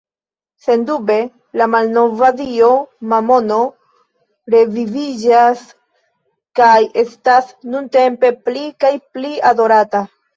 Sendube la malnova dio Mamono reviviĝas kaj estas nuntempe pli kaj pli adorata.